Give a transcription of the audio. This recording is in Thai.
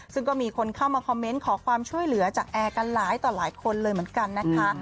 ซึ่งก็มีคนเข้ามาคอมเมนต์ขอความช่วยเหลือจากแอร์กันหลายต่อหลายคนเลยเหมือนกันนะคะ